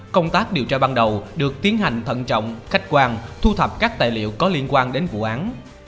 công tác điều tra ban đầu được tiến hành thận trọng khách quan thu thập các tài liệu có liên quan đến vụ án